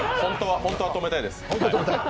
本当は止めたいです。